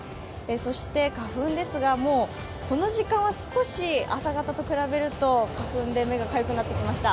そして花粉ですが、この時間はもう少し、朝方と比べると花粉で目がかゆくなってきました。